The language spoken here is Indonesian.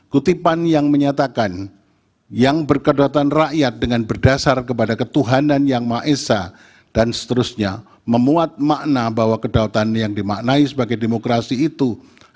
kutipan yang menyatakan yang berkedotan rakyat dengan berdasar kepada ketuhanan yang maha esa dan seterusnya memuat makna bahwa kedaulatan yang dimaknai sebagai demokrasi itu